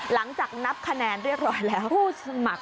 หลังจากนับคะแนนเรียกร้อยแล้วผู้สมัคร